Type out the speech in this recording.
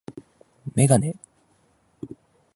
メガネ